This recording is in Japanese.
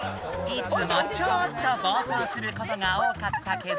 いつもちょっと暴走することが多かったけど。